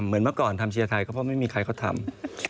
เหมือนเมื่อก่อนทำเชียร์ไทยก็เพราะไม่มีใครเขาทำ